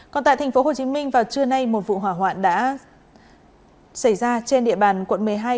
còn tại tp hcm vào trưa nay một vụ hỏa hoạn đã xảy ra trên địa bàn quận một mươi hai